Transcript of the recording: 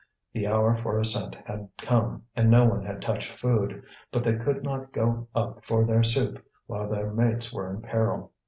The hour for ascent had come, and no one had touched food; but they could not go up for their soup while their mates were in peril.